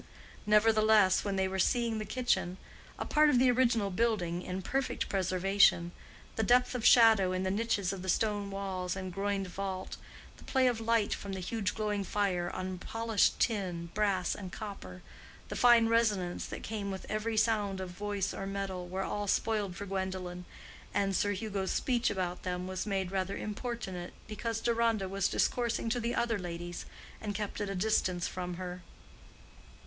Nevertheless, when they were seeing the kitchen—a part of the original building in perfect preservation—the depth of shadow in the niches of the stone walls and groined vault, the play of light from the huge glowing fire on polished tin, brass, and copper, the fine resonance that came with every sound of voice or metal, were all spoiled for Gwendolen, and Sir Hugo's speech about them was made rather importunate, because Deronda was discoursing to the other ladies and kept at a distance from her.